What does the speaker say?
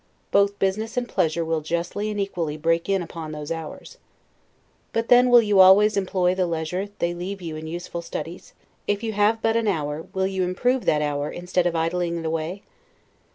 Both business and pleasure will justly and equally break in upon those hours. But then, will you always employ the leisure they leave you in useful studies? If you have but an hour, will you improve that hour, instead of idling it away?